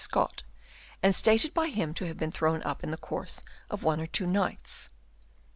Scott, and stated by him to have been thrown up in the course of one or two nights (8.)